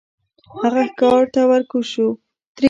هغه ښکار ته ور کوز شو.